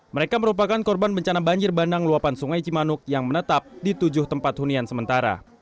mereka merupakan korban bencana banjir bandang luapan sungai cimanuk yang menetap di tujuh tempat hunian sementara